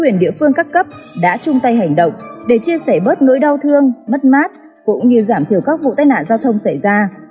các quyền địa phương các cấp đã chung tay hành động để chia sẻ bớt nỗi đau thương mất mát cũng như giảm thiểu các vụ tai nạn giao thông xảy ra